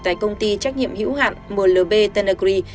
tại công ty trách nhiệm hữu hạn mlb tenegris